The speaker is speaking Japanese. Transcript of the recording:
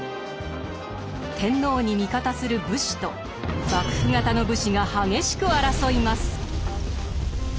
天皇に味方する武士と幕府方の武士が激しく争います。